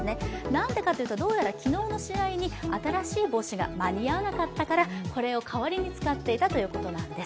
なんでかというとどうやら昨日試合に新しい帽子が間に合わなかったから、これを代わりに使っていたということだそうです。